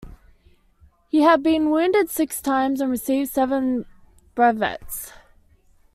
He had been wounded six times and received seven brevets.